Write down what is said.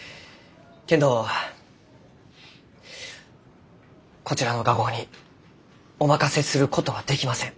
けんどこちらの画工にお任せすることはできません。